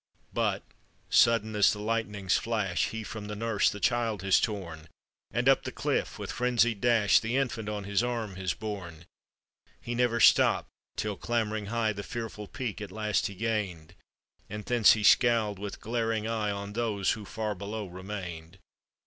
But, sudden as the lightning's flash, He from the nurse the child has torn, And up the cliff", with frenzied dash, The infant on his arm has borne. He never stopp'd till, clamb'ring high, The fearful peak at last he gained; And thence he scowled with glaring eye On those who far below remained.